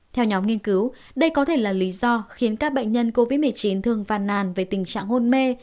theo nhóm nghiên cứu đây có thể là lý do khiến các bệnh nhân covid một mươi chín thường phàn nàn về tình trạng hôn mê